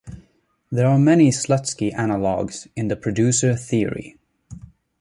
There are many Slutsky analogs in producer theory.